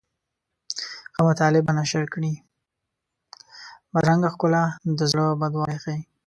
بدرنګه ښکلا د زړه بدوالی ښيي